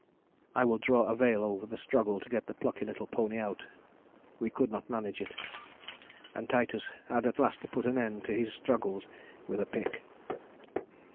I will draw a veil over our struggle to get the plucky little pony out. We could not manage it, and Titus had at last to put an end to his struggles with a pick.